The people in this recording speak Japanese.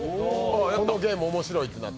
このゲーム面白いなって。